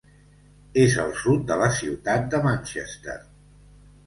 És al sud de la ciutat de Manchester.